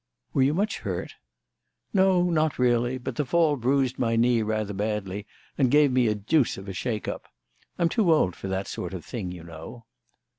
"Were you much hurt?" "No, not really; but the fall bruised my knee rather badly and gave me a deuce of a shake up. I'm too old for that sort of thing, you know."